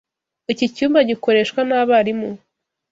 Iki cyumba gikoreshwa nabarimu.